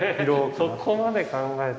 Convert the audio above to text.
そこまで考えて。